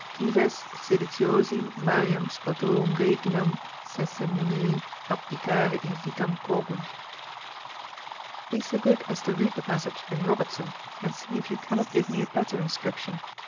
"Cives seditiosi Mariam Scotorum Reginam sese muneri abdicare invitam cogunt." 'Be so good as to read the passage in Robertson, and see if you cannot give me a better inscription.